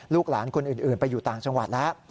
ลูกหลานคนอื่นไปอยู่ต่างจังหวัดแล้ว